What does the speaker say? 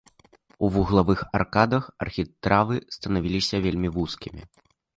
У вуглавых аркадах архітравы станавіліся вельмі вузкімі.